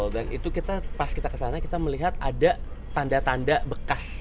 dan itu pas kita ke sana kita melihat ada tanda tanda bekas